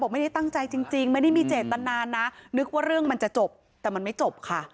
ไม่ได้ตั้งใจจริงไม่ได้มีเจตนานะนึกว่าเรื่องมันจะจบแต่มันไม่จบค่ะ